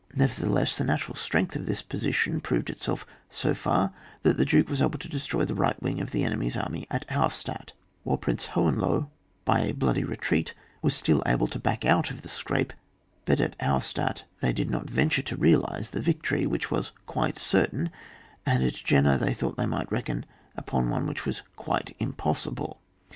Nevertheless, the natural strength of this position proved itself so far that the Duke was able to destroy the right wing of the enemy's army at Auerstadt, whilst Prince Hohenlohe, by a bloody retreat, was still able to back out of the scrape ; but at Auerstadt they did not venture to realise the victory, which was ^ite certain; and at Jena they thought they might reckon upon one which was quite im* possible.